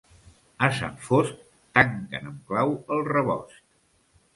A Sant Fost, tanquen amb clau el rebost.